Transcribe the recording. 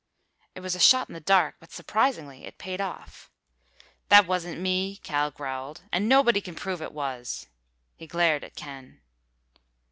It was a shot in the dark, but surprisingly it paid off. "That wasn't me," Cal growled, "and nobody can prove it was!" He glared at Ken.